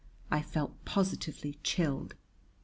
I felt positively chilled.